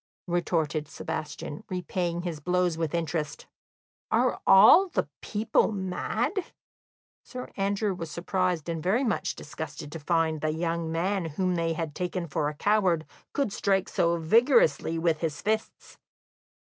retorted Sebastian, repaying his blows with interest. "Are all the people mad?" Sir Andrew was surprised and very much disgusted to find that the young man whom they had taken for a coward could strike so vigorously with his fists.